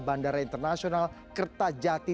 bandara internasional kerta jati